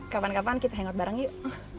kapan kapan kita hangot bareng yuk